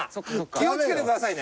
気をつけてくださいね。